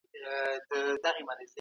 ایا ملي بڼوال پسته ساتي؟